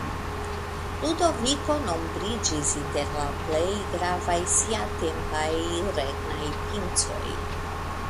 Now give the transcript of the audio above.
Ludoviko nombriĝis inter la plej gravaj siatempaj regnaj pincoj.